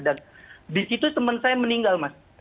di situ teman saya meninggal mas